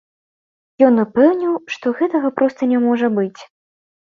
Ён упэўніў, што гэтага проста не можа быць.